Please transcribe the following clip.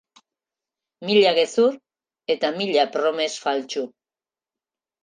Mila gezur eta mila promes faltsu.